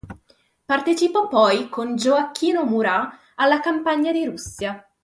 Partecipò poi con Gioacchino Murat alla Campagna di Russia.